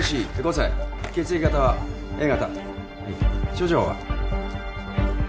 症状は？